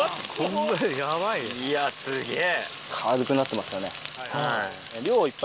いやすげぇ。